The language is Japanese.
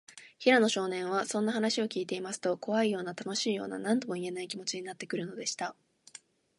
平野少年は、そんな話をきいていますと、こわいような、たのしいような、なんともいえない、気もちになってくるのでした。